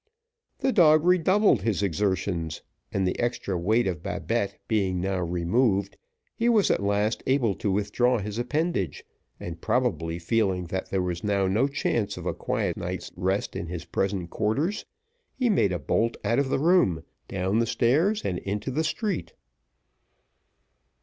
The dog redoubled his exertions, and the extra weight of Babette being now removed, he was at last able to withdraw his appendage, and probably feeling that there was now no chance of a quiet night's rest in his present quarters, he made a bolt out of the room, down the stairs, and into the street.